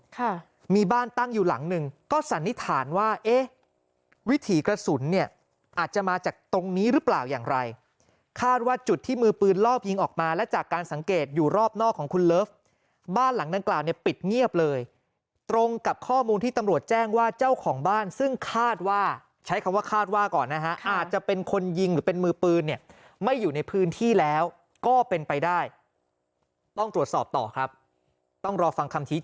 ค่ะมีบ้านตั้งอยู่หลังหนึ่งก็สันนิษฐานว่าเอ๊ะวิถีกระสุนเนี่ยอาจจะมาจากตรงนี้หรือเปล่าอย่างไรคาดว่าจุดที่มือปืนลอบยิงออกมาและจากการสังเกตอยู่รอบนอกของคุณเลิฟบ้านหลังด้านกลางเนี่ยปิดเงียบเลยตรงกับข้อมูลที่ตำรวจแจ้งว่าเจ้าของบ้านซึ่งคาดว่าใช้คำว่าคาดว่าก่อนนะฮะอา